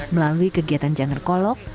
melalui kegiatan jangger kolok